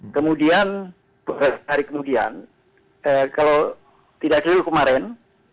kemudian hari kemudian kalau tidak cukup kemarin